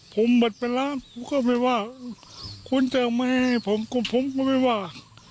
ผมบทเป็นน้ำก็ไม่ว่าคุณจะไม่ไหวผมก็ไม่ว่า